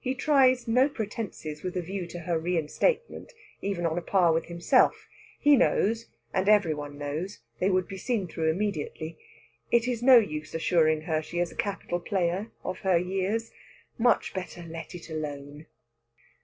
He tries no pretences with a view to her reinstatement, even on a par with himself. He knows, and every one knows, they would be seen through immediately. It is no use assuring her she is a capital player, of her years. Much better let it alone!